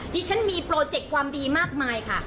ดิฉันมีโปรเจกต์ความดีมากมายค่ะ